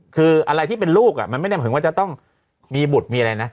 คืออะไรที่เป็นลูกมันไม่ได้หมายถึงว่าจะต้องมีบุตรมีอะไรนะ